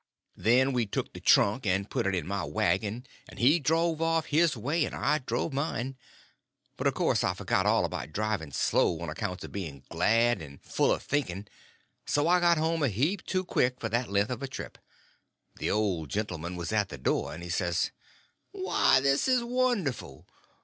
Then we took the trunk and put it in my wagon, and he drove off his way and I drove mine. But of course I forgot all about driving slow on accounts of being glad and full of thinking; so I got home a heap too quick for that length of a trip. The old gentleman was at the door, and he says: "Why, this is wonderful!